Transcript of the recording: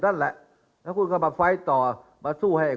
เขาปวดหัวไปทุกวัน